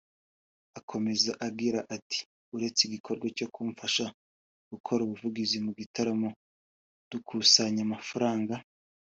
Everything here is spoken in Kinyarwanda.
Akomeza agira ati “ Uretse igikorwa cyo kumfasha gukora ubuvugizi mu gitaramo dukusanya amafaranga